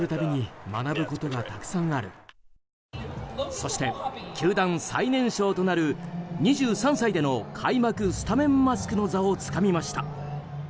そして、球団最年少となる２３歳での開幕スタメンマスクの座をつかみました。